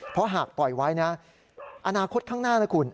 เพราะหากปล่อยไว้นะอนาคตข้างหน้านะคุณ